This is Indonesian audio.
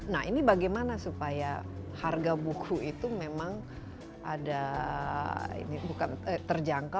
nah ini bagaimana supaya harga buku itu memang ada ini bukan terjangkau